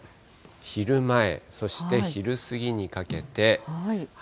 昼前、そして昼過ぎにかけて。